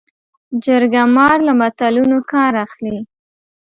جرګه مار له متلونو کار اخلي